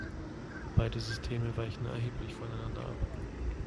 Beide Systeme weichen erheblich voneinander ab.